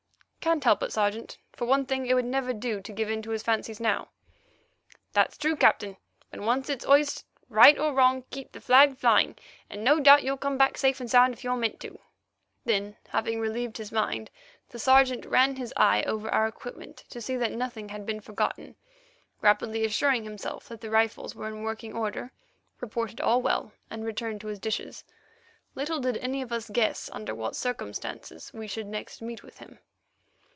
"Can't help it, Sergeant. For one thing, it would never do to give in to his fancies now." "That's true, Captain. When once it's hoist, right or wrong, keep the flag flying, and no doubt you'll come back safe and sound if you're meant to." Then, having relieved his mind, the Sergeant ran his eye over our equipment to see that nothing had been forgotten, rapidly assured himself that the rifles were in working order, reported all well, and returned to his dishes. Little did any of us guess under what circumstances we should next meet with him.